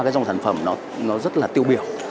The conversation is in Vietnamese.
ba dòng sản phẩm rất tiêu biểu